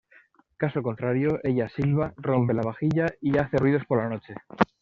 Caso contrario, ella silba, rompe la vajilla, y hace ruidos por la noche.